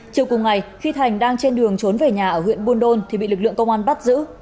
chiều cùng ngày khi thành đang trên đường trốn về nhà ở huyện buôn đôn thì bị lực lượng công an bắt giữ